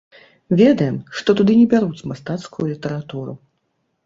Ведаем, што туды не бяруць мастацкую літаратуру.